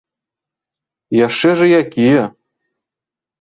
Яшчэ ж і якія!